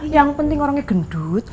yang penting orangnya gendut